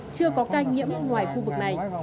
chưa có ca nghiệm ngoài khu vực này